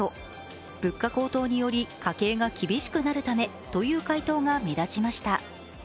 物価高騰により家計が厳しくなるためという回答が目立ちました。